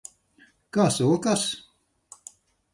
Kā sokas?